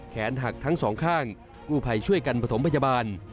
แขนหักทั้งสองข้างกู้ภัยช่วยกันประถมพยาบาล